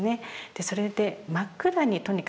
それで真っ暗にとにかくなるんです。